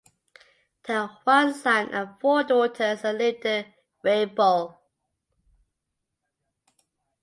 They had one son and four daughters and lived in Radebeul.